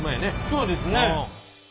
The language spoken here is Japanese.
そうですね。